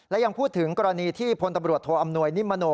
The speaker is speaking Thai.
และยังพูดถึงกรณีที่พลตำรวจโทอำนวยนิมโน